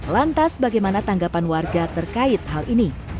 lantas bagaimana tanggapan warga terkait hal ini